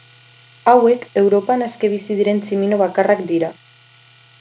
Hauek Europan aske bizi diren tximino bakarrak dira.